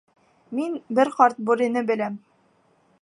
Мин бер ҡарт бүрене беләм.